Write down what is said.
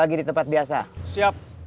apa si baru neu ya unsi